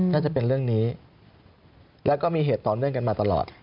น่าจะเป็นเรื่องนี้แล้วก็มีเหตุต่อเนื่องกันมาตลอด